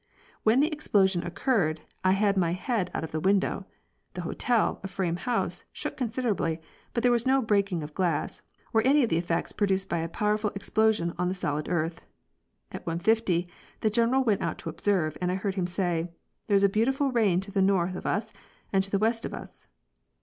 When the explo sion occurred I had my head out of the window. The hotel, a frame house, shook considerably, but there was no breaking of glass or any of the effects produced bya powerful explosion on the solid earth. At 1.50 the General went out to observe, and I heard him say : ''There is a beautiful rain to the north of us and to the west of us."